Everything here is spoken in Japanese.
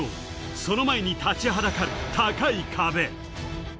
その前に立ちはだかる高い壁。